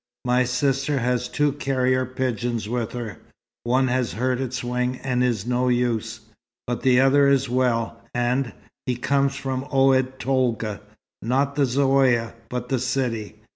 My sister has two carrier pigeons with her. One has hurt its wing and is no use. But the other is well, and he comes from Oued Tolga. Not the Zaouïa, but the city.